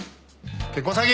結婚詐欺！